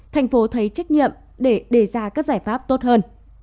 thành phố thấy trách nhiệm để đề ra các giải pháp tốt hơn